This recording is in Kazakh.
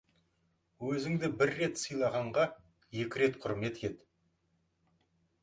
Өзіңді бір рет сыйлағанға екі рет құрмет ет.